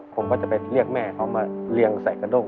ผมก็จะไปเรียกแม่เขามาเรียงใส่กระด้ง